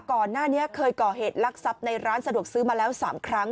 ก่อนหน้านี้เคยก่อเหตุลักษัพในร้านสะดวกซื้อมาแล้ว๓ครั้ง